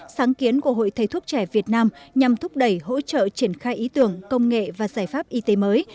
sáng kiến của hội thầy thuốc trẻ việt nam nhằm thúc đẩy hỗ trợ triển khai ý tưởng công nghệ và giải pháp y tế mới